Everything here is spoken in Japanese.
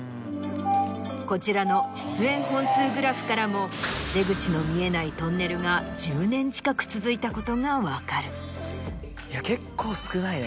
こちらの出演本数グラフからも出口の見えないトンネルが１０年近く続いたことが分かる。